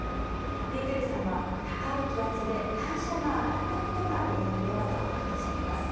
ディトゥリさんは高い気圧で代謝が上がったことが原因ではと話しています。